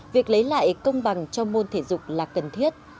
việc lấy lại công bằng cho môn thể dục là cần thiết